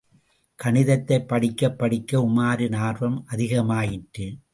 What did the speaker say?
கணிதத்தைப் படிக்கப் படிக்க உமாரின் ஆர்வம் அதிகமாயிற்று.